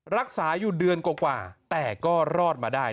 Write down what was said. รักษาอยู่เดือนกว่าแต่ก็รอดมาได้